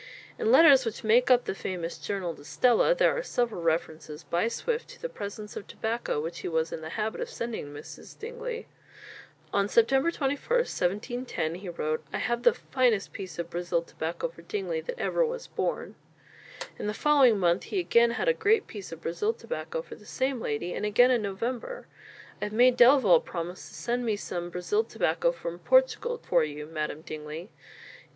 In the letters which make up the famous "Journal to Stella," there are several references by Swift to the presents of tobacco which he was in the habit of sending to Mrs. Dingley. On September 21, 1710, he wrote: "I have the finest piece of Brazil tobacco for Dingley that ever was born." In the following month he again had a great piece of Brazil tobacco for the same lady, and again in November: "I have made Delaval promise to send me some Brazil tobacco from Portugal for you, Madam Dingley."